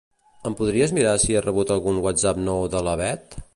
Em podries mirar si he rebut algun whatsapp nou de la Beth?